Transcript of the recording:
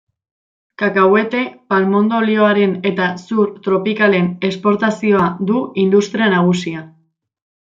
Kakahuete, palmondo olioaren eta zur tropikalen esportazioa du industria nagusia.